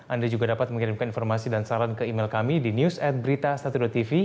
anda juga dapat mengirimkan informasi dan saran ke email kami di news ad berita satero tv